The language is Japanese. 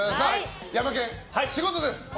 ヤマケン、仕事です。